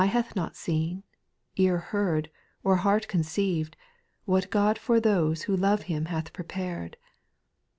Eye hath not seen, ear heard, or heart con ceived, What God for those who love Him hath prepared.